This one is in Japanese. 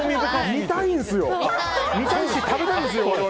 見たいし、食べたいんですよ！